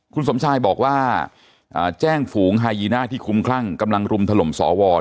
คุณสมชายบอกว่าแจ้งฝูงไฮยีน่าที่คุ้มคลั่งกำลังรุมถล่มสว